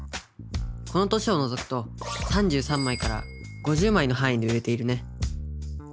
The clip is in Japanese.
この年を除くと３３枚から５０枚のはんいで売れているね。